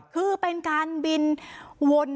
คือเป็นการบินวน